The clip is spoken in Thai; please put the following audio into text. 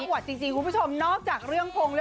กับเพลงที่มีชื่อว่ากี่รอบก็ได้